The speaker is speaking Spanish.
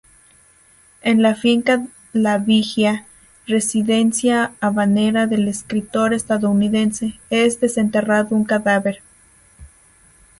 En la Finca La Vigía, residencia habanera del escritor estadounidense, es desenterrado un cadáver.